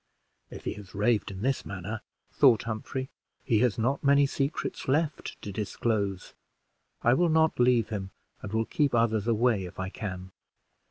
"If he has raved in this manner," thought Humphrey, "he has not many secrets left to disclose. I will not leave him, and will keep others away if I can."